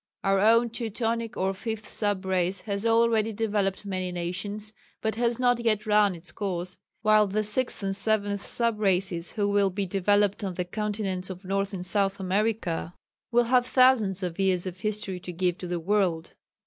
Our own Teutonic or 5th sub race has already developed many nations, but has not yet run its course, while the 6th and 7th sub races, who will be developed on the continents of North and South America, will have thousands of years of history to give to the world.